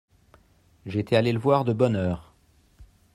J'étais allé le voir de bonne heure.